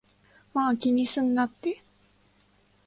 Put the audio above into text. まぁ、気にすんなって